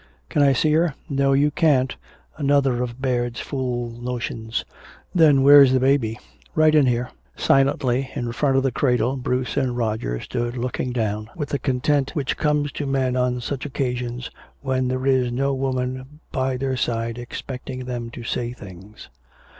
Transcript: "Can I see her?" "No, you can't another of Baird's fool notions." "Then where's the baby?" "Right in here." Silently in front of the cradle Bruce and Roger stood looking down with the content which comes to men on such occasions when there is no woman by their side expecting them to say things.